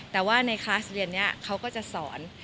แต่ว่าในคลาสเรียนนี้เขาก็จะสอน